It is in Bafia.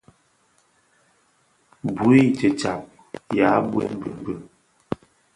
Bui titsàb yaà bwem bi.